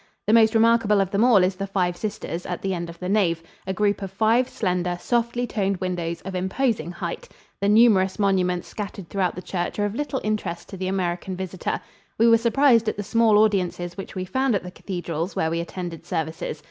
The most remarkable of them all is the "Five Sisters" at the end of the nave, a group of five slender, softly toned windows of imposing height. The numerous monuments scattered throughout the church are of little interest to the American visitor. We were surprised at the small audiences which we found at the cathedrals where we attended services.